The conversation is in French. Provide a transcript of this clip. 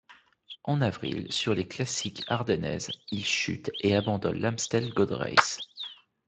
En avril, sur les classiques ardennaises, il chute et abandonne l'Amstel Gold Race.